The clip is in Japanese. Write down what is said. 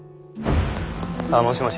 あもしもし。